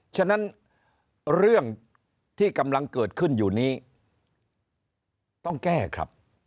ฉะนั้นเรื่องที่กำลังเกิดขึ้นอยู่นี้ต้องแก้ครับ